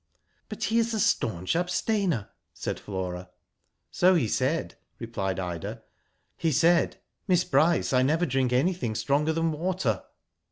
''But he is a staunch abstainer" said Flora. *'So he said," replied Ida. "He said, 'Miss Bryce, I never drink anything stronger than water.'"